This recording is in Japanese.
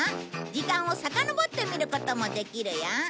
時間をさかのぼって見ることもできるよ。